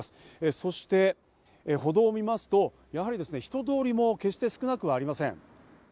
そして歩道を見ますと、やはり人通りも決して少なくはありません。